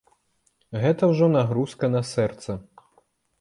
Гэта ўжо нагрузка на сэрца.